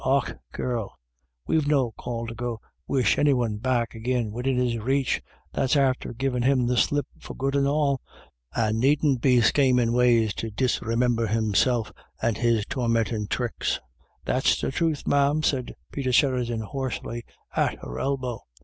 Och, girl dear, we've no call to go wish any one back agin widin his reach, that's after givin' him the slip for good and all, and needn't be schamin' ways to disremimber himself and his tormintin' thricks." " That's the truth, ma'am," said Peter Sheridan, hoarsely, at her elbow.